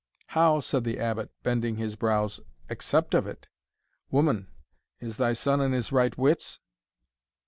"How," said the Abbot, bending his brows, "accept of it? Woman, is thy son in his right wits?"